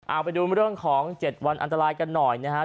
เอาไปดูเรื่องของ๗วันอันตรายกันหน่อยนะฮะ